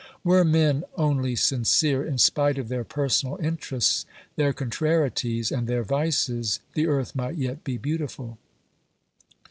Were men only sincere in spite of their personal interests, their contrarieties and their vices, the earth might yet be beautiful